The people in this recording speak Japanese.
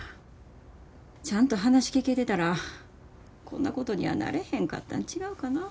ちゃんと話聞けてたらこんなことにはなれへんかったん違うかなぁ。